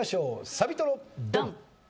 サビトロドン！